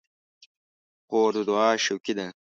خور د دعا شوقي ده.